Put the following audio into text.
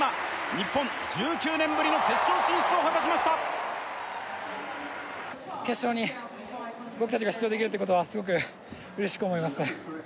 日本１９年ぶりの決勝進出を果たしました決勝に僕達が出場できるということはすごく嬉しく思います